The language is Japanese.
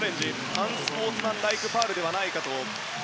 アンスポーツマンライクファウルではないかと。